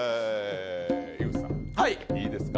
井口さんいいですか？